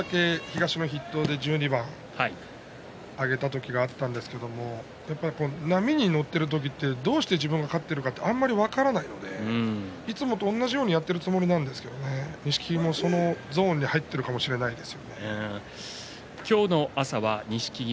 私も一度だけ東の筆頭で１２番挙げた時があったんですけれども波に乗ってる時ってどうして自分が勝っているのかあんまり分からないのでいつもと同じようにやっているんですが錦木もそのゾーンに入ってるかもしれません。